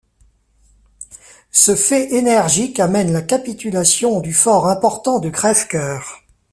Ce fait énergique amène la capitulation du fort important de Crèvecœur.